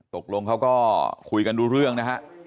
ตกลงเขาก็คุยกันรู้เรื่องนะฮะ